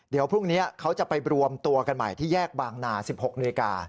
เดี๋ยวพรุ่งนี้เขาจะไปรวมตัวกันใหม่ที่แยกบางนา๑๖นาฬิกา